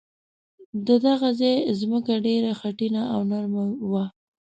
د دغه ځای ځمکه ډېره خټینه او نرمه وه.